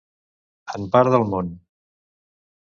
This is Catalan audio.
En part del món.